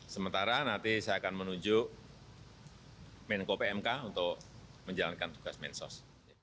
sementara nanti saya akan menunjuk menko pmk untuk menjalankan tugas mensos